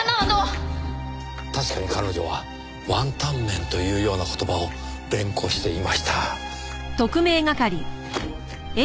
確かに彼女はワンタン麺というような言葉を連呼していました。